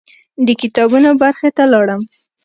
د کتابونو برخې ته لاړم.